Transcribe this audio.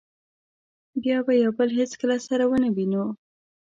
بیا به یو بل هېڅکله سره و نه وینو.